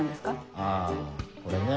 あぁこれね。